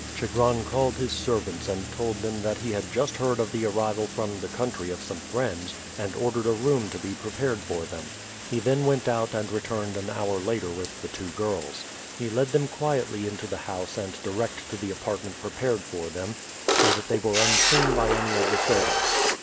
Chigron called his servants and told them that he had just heard of the arrival from the country of some friends, and ordered a room to be prepared for them. He then went out and returned an hour later with the two girls. He led them quietly into the house and direct to the apartment prepared for them, so that they were unseen by any of the servants.